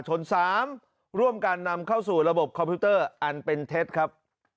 ๓ร่วมกันนำเข้าสู่ระบบคอมพิวเตอร์อันเป็นเท็จครับ